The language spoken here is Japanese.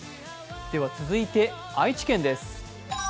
続いて、愛知県です。